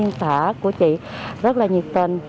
bộ xã của chị rất là nhiệt tình